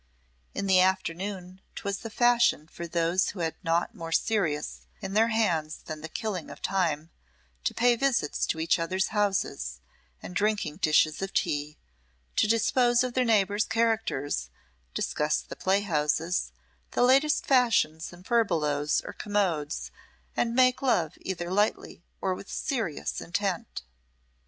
In the afternoon 'twas the fashion for those who had naught more serious in their hands than the killing of time to pay visits to each other's houses, and drinking dishes of tea, to dispose of their neighbours' characters, discuss the playhouses, the latest fashions in furbelows or commodes, and make love either lightly or with serious intent.